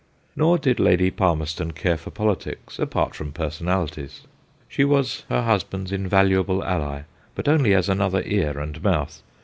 Nor did Lady Palmerston care for politics, apart from personalities. She was her husband's invaluable ally, but only as another ear and mouth.